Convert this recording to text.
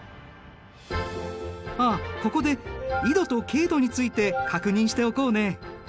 あっここで緯度と経度について確認しておこうね。